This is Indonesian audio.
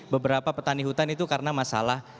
beberapa petani hutan itu karena masalah